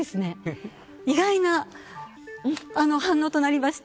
意外な反応となりました。